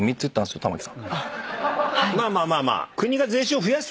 まあまあまあまあ。